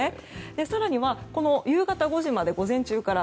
更には夕方５時まで午前中から